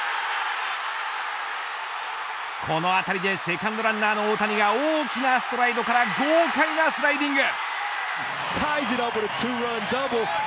この当たりでセカンドランナーの大谷が大きなストライドから豪快なスライディング。